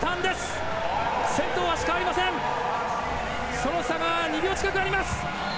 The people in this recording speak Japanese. その差が２秒近くあります。